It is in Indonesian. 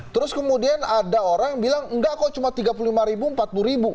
terus kemudian ada orang yang bilang enggak kok cuma tiga puluh lima ribu empat puluh ribu